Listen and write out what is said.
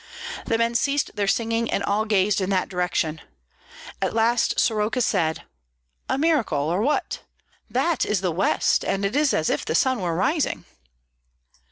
The men ceased their singing and all gazed in that direction, at last Soroka said, "A miracle or what? That is the west, and it is as if the sun were rising."